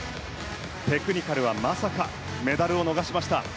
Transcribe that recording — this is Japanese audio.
テクニカルはまさかのメダルを逃しました。